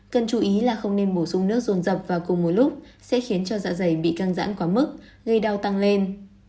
cần chú ý là không nên bổ sung nước dồn dập vào cùng một lúc sẽ khiến cho dạ dày bị căng dãn quá mức gây đau tăng lên